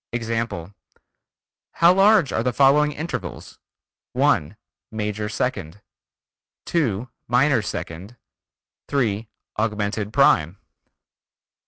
Example: How large are the following intervals? (1) Major second, (2) minor second, (3) augmented prime.